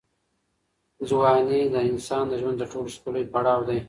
ځواني د انسان د ژوند تر ټولو ښکلی پړاو دی.